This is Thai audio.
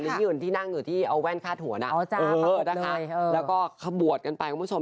ที่อื่นที่นั่งอยู่ที่เอาแว่นคาดหัวนะแล้วก็ขบวชกันไปคุณผู้ชม